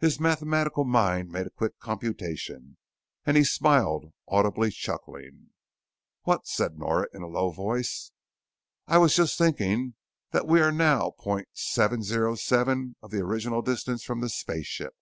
His mathematical mind made a quick computation and he smiled, audibly chuckling. "What?" said Nora in a low voice. "I was just thinking that we are now point seven zero seven of the original distance from the spaceship."